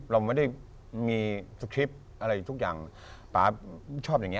เราไม่ได้มีสคริปต์อะไรทุกอย่างป๊าชอบอย่างเง